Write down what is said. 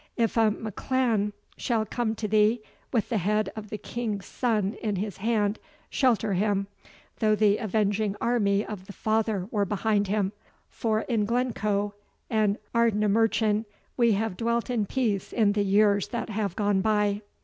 If a MacIan shall come to thee with the head of the king's son in his hand, shelter him, though the avenging army of the father were behind him; for in Glencoe and Ardnamurchan, we have dwelt in peace in the years that have gone by.